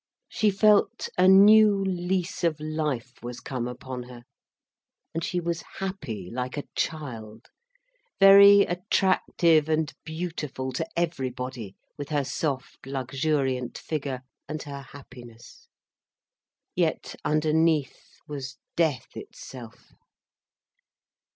She felt a new lease of life was come upon her, and she was happy like a child, very attractive and beautiful to everybody, with her soft, luxuriant figure, and her happiness. Yet underneath was death itself.